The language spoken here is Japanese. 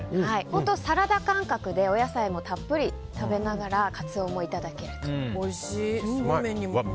本当サラダ感覚でお野菜もたっぷり食べながらカツオもいただけると。